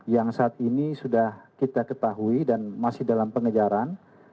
yang saat ini sudah kita ketahui dan masih dalam pengejaran